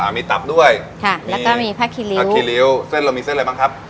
มีตับด้วยค่ะแล้วก็มีผ้าคีริ้วผ้าคิริ้วเส้นเรามีเส้นอะไรบ้างครับ